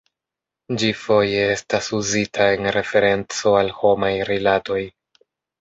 Ĝi foje estas uzita en referenco al homaj rilatoj.